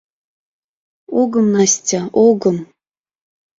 Огым, Настя, огым.